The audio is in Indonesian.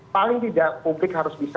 paling tidak publik harus bisa